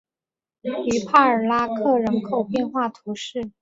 于帕尔拉克人口变化图示